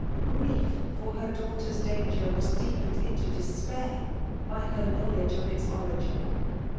Grief for her daughter s danger was deepened into despair by her knowledge of its origin.